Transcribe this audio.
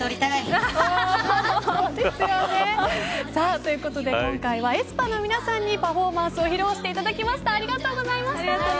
本当ですよね。ということで今回はａｅｓｐａの皆さんにパフォーマンスを披露していただきました。